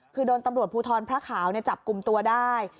คือโดนตำรวจภูทรพระขาวจับกลุ่มตัวได้